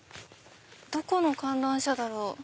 どこの観覧車だろう？